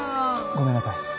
ごめんなさい。